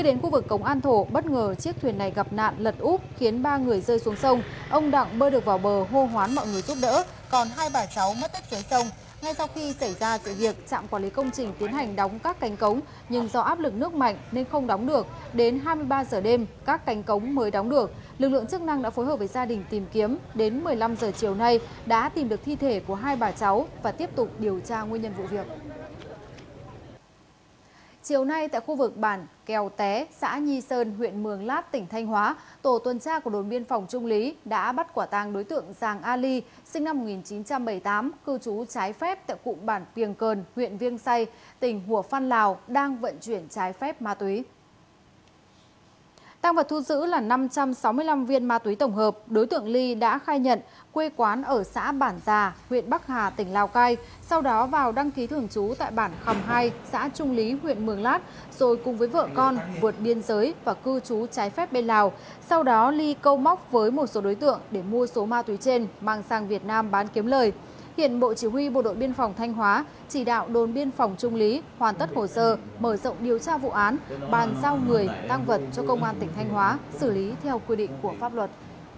hiện bộ chỉ huy bộ đội biên phòng thanh hóa chỉ đạo đồn biên phòng trung lý hoàn tất hồ sơ mở rộng điều tra vụ án bàn giao người tăng vật cho công an tỉnh thanh hóa xử lý theo quy định của pháp luật